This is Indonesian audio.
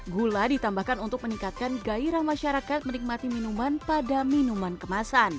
gula ditambahkan untuk meningkatkan gairah masyarakat menikmati minuman pada minuman kemasan